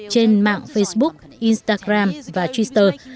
trên mạng facebook instagram và twitter